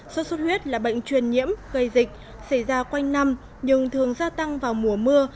sốt xuất huyết là bệnh truyền nhiễm gây dịch xảy ra quanh năm nhưng thường gia tăng vào mùa mưa